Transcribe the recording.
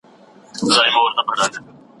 د فیل خاپونه په خټو کې ښکارېدل.